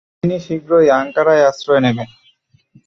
তিনি শীঘ্রই আঙ্কারায় আশ্রয় নেবেন।